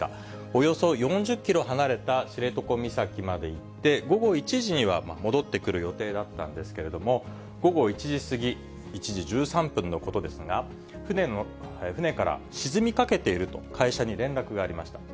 およそ４０キロ離れた知床岬まで行って、午後１時にはもう戻ってくる予定だったんですけれども、午後１時過ぎ、１時１３分のことですが、船から、沈みかけていると、会社に連絡がありました。